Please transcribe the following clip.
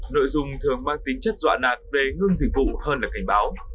nội dung thường mang tính chất dọa nạt về ngưng dịch vụ hơn là cảnh báo